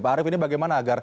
pak arief ini bagaimana agar